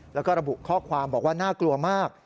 แล้วก็ระบุข้อความบอกว่าน่ากลัวมาก